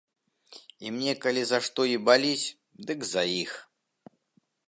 І мне калі за што і баліць, дык за іх.